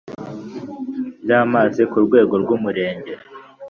By Amazi Ku Rwego Rw Umurenge